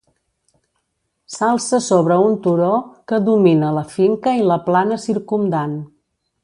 S'alça sobre un turó que domina la finca i la plana circumdant.